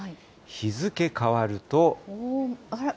日付変わると。